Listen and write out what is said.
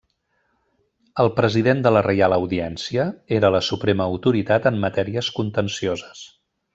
El president de la Reial Audiència, era la suprema autoritat en matèries contencioses.